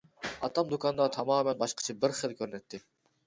ئاتام دۇكاندا تامامەن باشقىچە بىر خىل كۆرۈنەتتى.